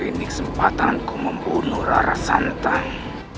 ini kesempatanku membunuh rara santai